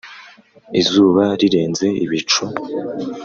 izuba rirenze ibicu.